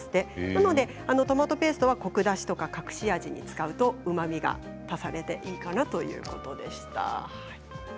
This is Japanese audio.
なのでトマトペーストはコク出しや隠し味に使うとうまみが足されていいかなということでした。